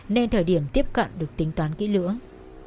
nên thời điểm tiếp cận được tính toán kỹ lưỡng